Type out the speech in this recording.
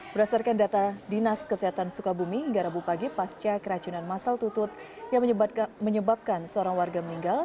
berdasarkan data dinas kesehatan sukabumi hingga rabu pagi pasca keracunan masal tutut yang menyebabkan seorang warga meninggal